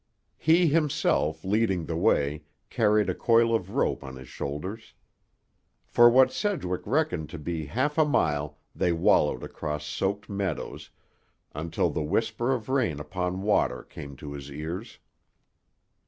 He himself, leading the way, carried a coil of rope on his shoulders. For what Sedgwick reckoned to be half a mile they wallowed across soaked meadows, until the whisper of rain upon water came to his ears.